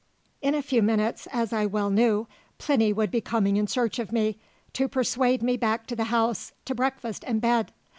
In a few minutes, as I well knew, Plinny would be coming in search of me, to persuade me back to the house to breakfast and bed.